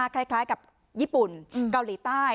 คล้ายกับญี่ปุ่นเกาหลีใต้